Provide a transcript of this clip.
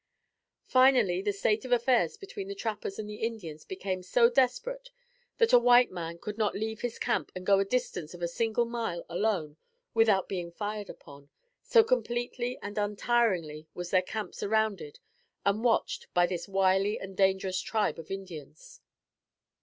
Finally the state of affairs between the trappers and the Indians became so desperate, that a white man could not leave his camp and go a distance of a single mile alone without being fired upon, so completely and untiringly was their camp surrounded and watched by this wily and dangerous tribe of Indians.